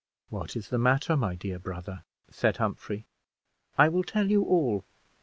"What is the matter, my dear brother?" said Humphrey. "I will tell you all.